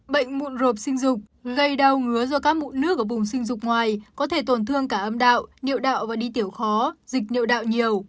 bệnh mụn rộp sinh dục gây đau ngứa do các mụn nước ở bùng sinh dục ngoài có thể tổn thương cả âm đạo niệu đạo và đi tiểu khó dịch niệu đạo nhiều